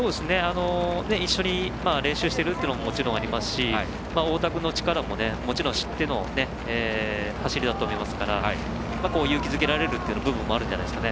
一緒に練習してるのもありますし太田君の力も、もちろん知っての走りだと思いますから勇気づけられるという部分もあると思います。